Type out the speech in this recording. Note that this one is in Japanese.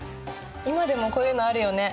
今でもこういうのあるよね？